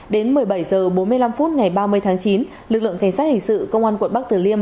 đến một mươi bảy h bốn mươi năm phút ngày ba mươi tháng chín lực lượng cảnh sát hình sự công an quận bắc tử liêm